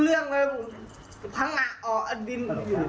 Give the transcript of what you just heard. แล้วเสร็จยาเสร็จเสร็จไหม